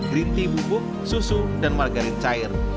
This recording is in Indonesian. green tea bubuk susu dan margarin cair